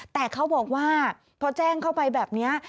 แต่เขาบอกว่าพอแจ้งเข้าไปแบบนี้